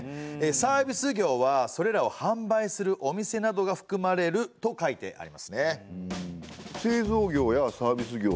サービス業はそれらをはんばいするお店などがふくまれると書いてありますね。